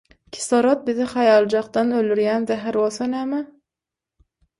Kislorod bizi haýaljakdan öldürýän zäher bolsa näme?